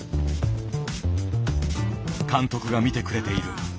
「監督が見てくれている」。